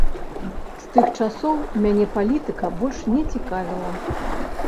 З тых часоў мяне палітыка больш не цікавіла.